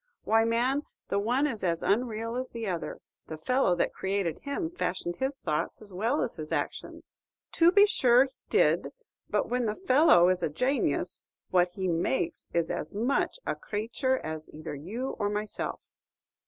Why, man, the one is as unreal as the other. The fellow that created him fashioned his thoughts as well as his actions." "To be sure he did; but when the fellow is a janius, what he makes is as much a crayture as either you or myself."